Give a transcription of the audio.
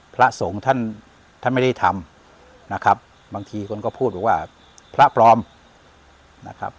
พระสงฆ์ท่านท่านไม่ได้ทำนะครับบางทีคนก็พูดบอกว่าพระปลอมนะครับ